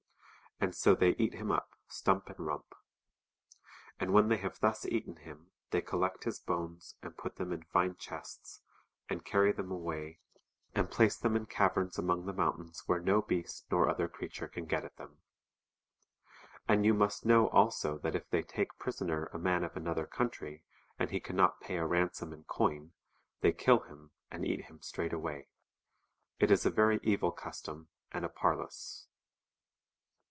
And so they eat him up stump and rump. And when they have thus eaten him thev collect his bones and j)ut them in linr clK sts, and carry tlicm awav, •Am\ place them Chap. X. SAMARA AND DAGROIAN. 237 in caverns among the mountains where no beast nor other creature can get at them. And you must know also that if they take prisoner a man of another country, and he can not pay a ransom in coin, they kill him and eat him straightway. It is a very evil custom and a parlous.'